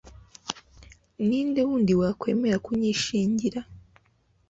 ni nde wundi wakwemera kunyishingira